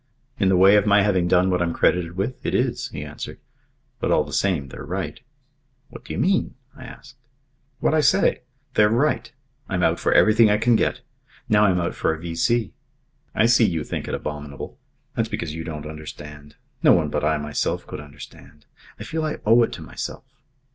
"In the way of my having done what I'm credited with, it is," he answered. "But all the same, they're right." "What do you mean?" I asked. "What I say. They're right. I'm out for everything I can get. Now I'm out for a V.C. I see you think it abominable. That's because you don't understand. No one but I myself could understand. I feel I owe it to myself."